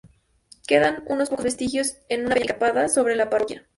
Quedan unos pocos vestigios en una peña escarpada, sobre la parroquia.